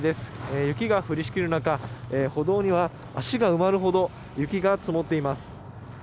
雪が降りしきる中歩道には足が埋まるほど雪が積もっています。